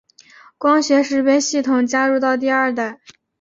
光学识别系统加入到第二代。